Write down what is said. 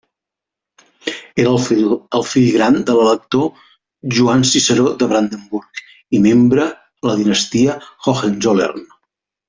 Era el fill gran de l'elector Joan Ciceró de Brandenburg, i membre la Dinastia Hohenzollern.